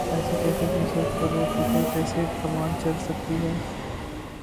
ایسی کیفیت میں سوچ اور فکر کیسے پروان چڑھ سکتی ہے۔